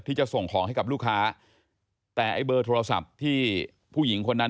ที่จะส่งของให้กับลูกค้าแต่ไอ้เบอร์โทรศัพท์ที่ผู้หญิงคนนั้น